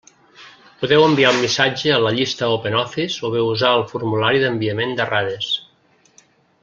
Podeu enviar un missatge a la llista Open Office o bé usar el formulari d'enviament d'errades.